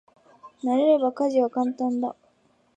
慣れれば家事は簡単だ。